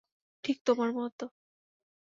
ঠিক তোমার মত।